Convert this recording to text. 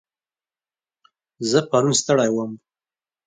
زه پرون ستړی وم.